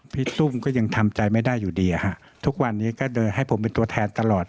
ตุ้มก็ยังทำใจไม่ได้อยู่ดีทุกวันนี้ก็โดยให้ผมเป็นตัวแทนตลอด